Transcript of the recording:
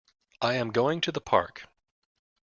I am going to the Park.